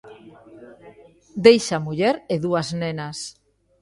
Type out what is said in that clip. Deixa muller e dúas nenas.